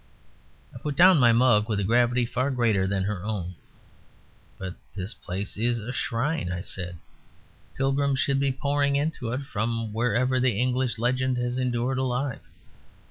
I put down my mug with a gravity far greater than her own. "But this place is a Shrine!" I said. "Pilgrims should be pouring into it from wherever the English legend has endured alive.